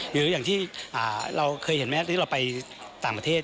หรืออย่างที่เราเคยเห็นไหมที่เราไปต่างประเทศ